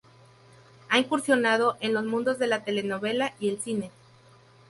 Ha incursionado en los mundos de la telenovela y el cine.